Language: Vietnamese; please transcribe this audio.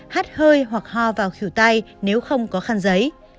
hát hơi hoặc ho vào khử tay nếu không có khăn giấy